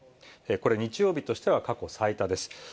これ、日曜日としては過去最多です。